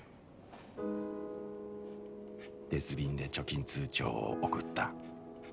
「別便で貯金通帳を送った。